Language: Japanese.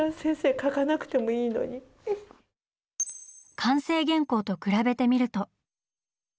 完成原稿と比べてみると。